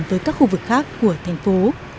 với các khu vực khác của thành phố